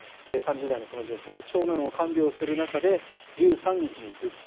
３０代のこの女性長男を看病する中で１３日に頭痛。